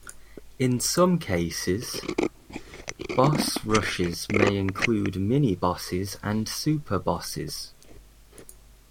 In some cases, boss rushes may include minibosses and superbosses.